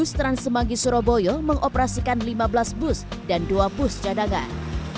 bus transmangi suraboyo mengoperasikan lima belas bus dan dua bus cadangan